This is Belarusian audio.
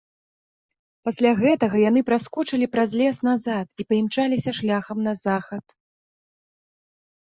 Пасля гэтага яны праскочылі праз лес назад і паімчаліся шляхам на захад.